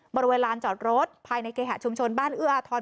บริเวณลานจอดรถภายในเกหะชุมชนบ้านเอื้ออาทร